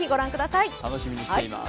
楽しみにしています。